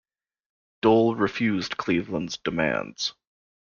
Dole refused Cleveland's demands.